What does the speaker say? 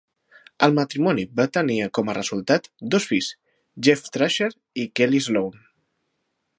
El matrimoni va tenir com a resultat dos fills: Jeff Thrasher i Kehly Sloane.